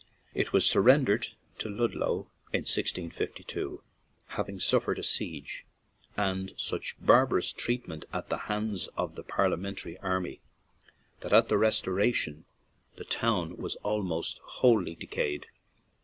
It was surren dered to Ludlow in 1652, having suffered a siege and such barbarous treatment at the hands of the Parliamentary army that at the Restoration the town was al most wholly decayed.